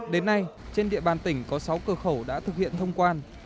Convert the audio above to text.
đến nay trên địa bàn tỉnh có sáu cửa khẩu đã thực hiện thông quan